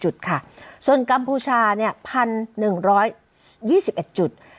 จุดค่ะส่วนกัมพูชาเนี่ยพันหนึ่งร้อยยี่สิบเอ็ดจุด